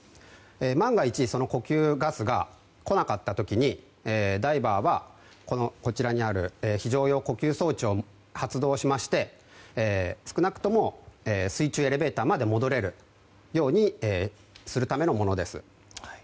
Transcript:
万が一呼吸ガスが来なかった時にダイバーは非常用呼吸装置を発動しまして少なくとも水中エレベーターまで戻れるようにするためのものです。